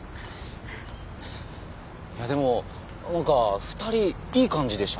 いやでもなんか２人いい感じでしたね。